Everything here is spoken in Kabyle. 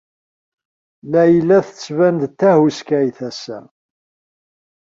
Layla tettban-d d tahuskayt ass-a.